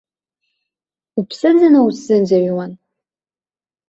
Уԥсы ӡаны усзыӡырҩуан?